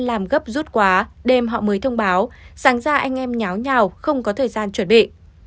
làm gấp rút quá đêm họ mới thông báo sáng ra anh em nháo nhào không có thời gian chuẩn bị